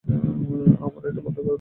আমার এটা বন্ধ করা উচিত?